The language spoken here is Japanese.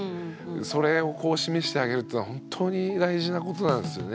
それを示してあげるっていうのは本当に大事なことなんですよね。